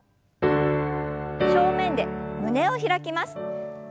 正面で胸を開きます。